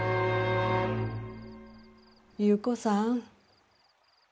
優子さん。